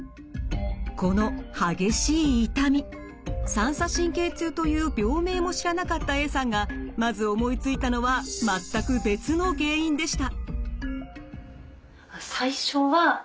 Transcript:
三叉神経痛という病名も知らなかったＡさんがまず思いついたのは全く別の原因でした。